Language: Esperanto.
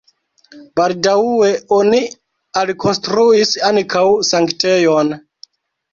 Baldaŭe oni alkonstruis ankaŭ sanktejon.